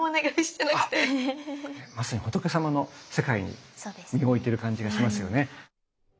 まさに仏様の世界に身を置いている感じがしますよね。